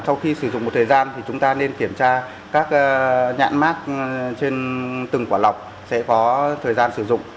sau khi sử dụng một thời gian thì chúng ta nên kiểm tra các nhãn mát trên từng quả lọc sẽ có thời gian sử dụng